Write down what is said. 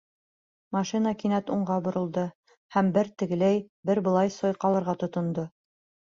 Машина кинәт уңға боролдо һәм бер тегеләй, бер былай сайҡалырға тотондо.